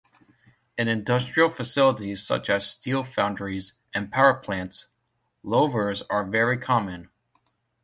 In industrial facilities such as steel foundries and power plants, louvers are very common.